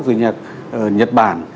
rồi nhạc nhật bản